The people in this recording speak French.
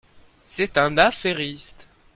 C'est un affairiste.